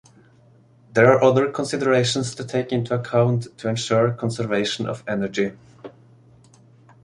There are other considerations to take into account to ensure conservation of energy.